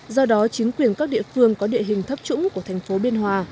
do đó chính quyền các địa phương có địa hình thấp trũng của thành phố biên hòa